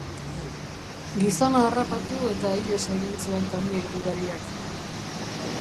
Gizona harrapatu eta ihes egin zuen kamioi-gidariak.